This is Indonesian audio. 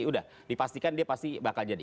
udah dipastikan dia pasti bakal jadi